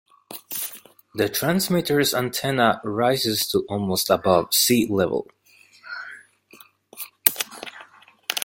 The transmitter's antenna rises to almost above sea level.